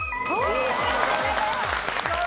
正解です！